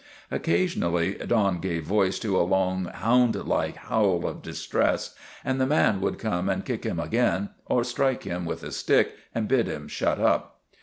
Occasionally Don gave voice to a long, hound like howl of distress, and the man would come and kick him again or strike him with a stick and bid him shut up.